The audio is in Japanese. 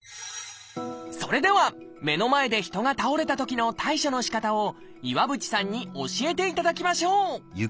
それでは目の前で人が倒れたときの対処のしかたを岩渕さんに教えていただきましょう！